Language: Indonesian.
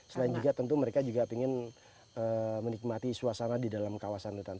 selain juga tentu mereka juga ingin menikmati suasana di dalam kawasan hutan